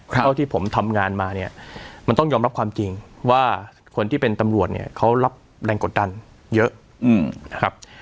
เท่าที่ผมทำงานมาเนี่ยมันต้องยอมรับความจริงว่าคนที่เป็นตำรวจเนี่ยเขารับแรงกดดันเยอะนะครับ